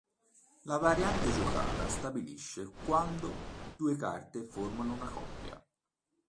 La variante giocata stabilisce quando due carte formano una coppia.